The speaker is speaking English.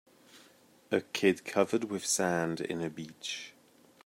A kid covered with sand in a beach.